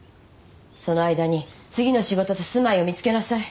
その間に次の仕事と住まいを見つけなさい